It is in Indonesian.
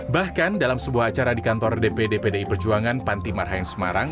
bahkan dalam sebuah acara di kantor dpd pdi perjuangan panti marhain semarang